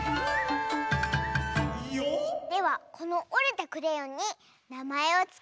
ではこのおれたクレヨンになまえをつけて。